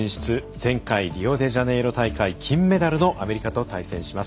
前回リオデジャネイロ大会金メダルのアメリカと対戦します。